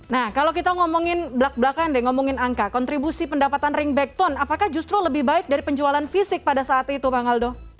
nah kalau kita ngomongin belak belakan deh ngomongin angka kontribusi pendapatan ringback tone apakah justru lebih baik dari penjualan fisik pada saat itu bang aldo